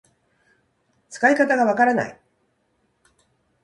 使い方がわからない